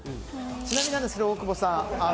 ちなみに、大久保さん